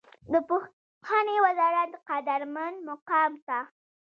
د پوهنې وزارت قدرمن مقام ته